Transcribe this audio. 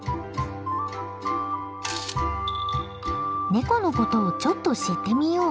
ネコのことをちょっと知ってみよう。